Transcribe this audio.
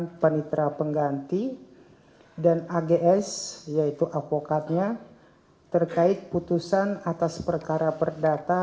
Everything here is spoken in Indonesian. merupakan panitra pengganti dan ags yaitu avokatnya terkait putusan atas perkara perdata